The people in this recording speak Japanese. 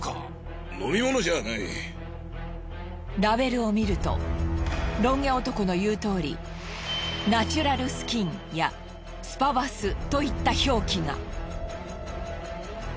ラベルを見るとロン毛男の言うとおりナチュラルスキンやスパバスといった表記が。